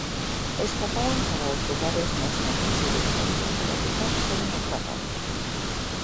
Escapaban cara aos lugares máis inaccesibles da illa para evitar seren atrapados.